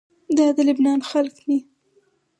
دا د لبنان خلق دي.